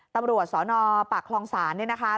ตำรวจสนปรักษ์คลองศาล